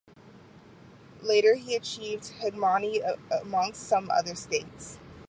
Later he achieved hegemony amongst some other states.